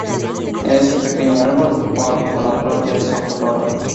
Es un pequeño árbol o arbusto natural de Socotora.